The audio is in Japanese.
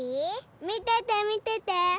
みててみてて！